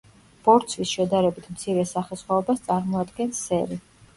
ბორცვის შედარებით მცირე სახესხვაობას წარმოადგენს სერი.